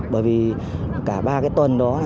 bởi vì cả ba cái tuần đó